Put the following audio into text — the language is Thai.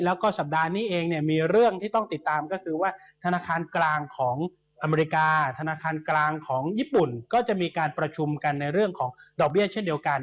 แล้วก็สัปดาห์นี้เองเนี่ยมีเรื่องที่ต้องติดตามก็คือว่าธนาคารกลางของอเมริกาธนาคารกลางของญี่ปุ่นก็จะมีการประชุมกันในเรื่องของดอกเบี้ยเช่นเดียวกัน